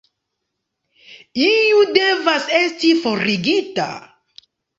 Iu devas esti forigita.